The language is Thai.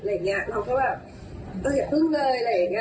เราก็อย่าพึ่งเลย